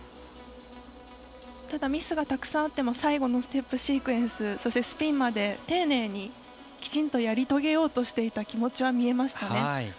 ただミスがたくさんあっても最後のステップシークエンスそしてスピンまで丁寧にきちんとやり遂げようとしていた気持ちは見えましたね。